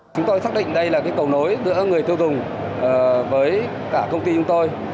chúng tôi xác định đây là cầu nối giữa người tiêu dùng với cả công ty chúng tôi